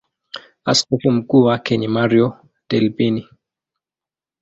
Askofu mkuu wake ni Mario Delpini.